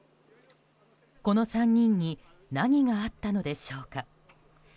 この３人に何があったのでしょうか。